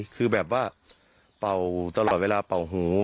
คือแบบว่าเป่าตลอดเวลาเป่าหู